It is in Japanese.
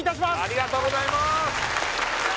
ありがとうございます